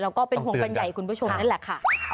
แล้วก็เป็นห่วงกันใหญ่คุณผู้ชมนั่นแหละค่ะ